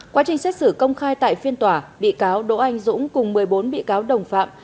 quá trình xét xử công khai tại phiên tòa bị cáo đỗ anh dũng cùng một mươi bốn bị cáo đồng phạm